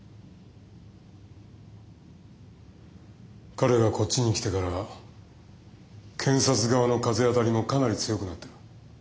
彼がこっちに来てから検察側の風当たりもかなり強くなってる。